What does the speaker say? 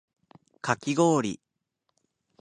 かき氷